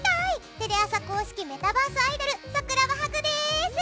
テレ朝公式メタバースアイドル桜葉ハグです。